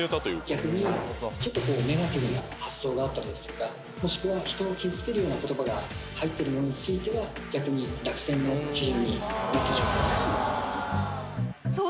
逆にちょっとネガティブな発想があったですとかもしくは人を傷つけるような言葉が入ってるものについては逆に落選の基準になってしまいます